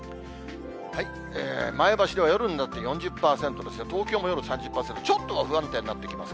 前橋では夜になって４０％ですね、東京も夜３０％、ちょっと不安定になってきます。